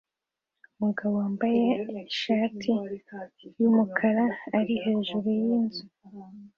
Umugabo wambaye ishati yumukara ari hejuru yinzu